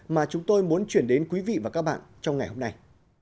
mà chúng tôi muốn chuyển đến quý vị và các bạn trong ngày hôm nay